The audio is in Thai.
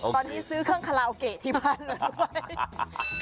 ตอนนี้ซื้อเครื่องคาลาวเกะที่บ้านเลย